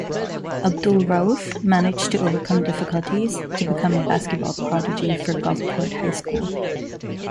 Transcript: Abdul-Rauf managed to overcome difficulties to become a basketball prodigy for Gulfport High School.